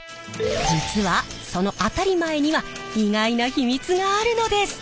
実はその当たり前には意外な秘密があるのです！